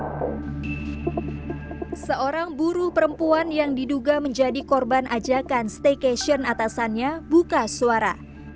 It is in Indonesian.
hai seorang buruh perempuan yang diduga menjadi korban ajakan staycation atasannya buka suara